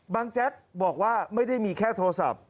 แจ๊กบอกว่าไม่ได้มีแค่โทรศัพท์